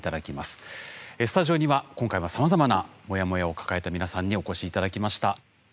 スタジオには今回もさまざまなモヤモヤを抱えた皆さんにお越し頂きました。